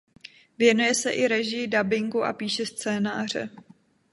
Věnuje se i režii dabingu a píše scénáře.